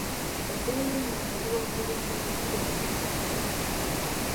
Ebbeeyi y'ennyama eri waggulu nnyo olw'ekiseera kya Ssekukkulu.